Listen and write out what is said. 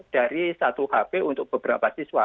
dari satu hp untuk beberapa siswa